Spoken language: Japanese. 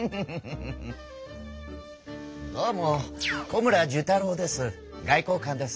どうも小村寿太郎です。